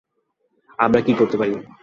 আমরা কী করতে পারি!